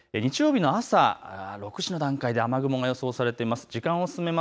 日曜日の朝６時の段階で雨雲が予想されています。